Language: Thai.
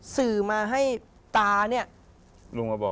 สื่อมาให้ตาเนี่ย